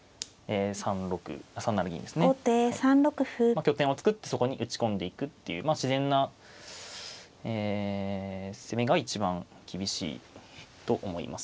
拠点を作ってそこに打ち込んでいくっていう自然な攻めが一番厳しいと思います。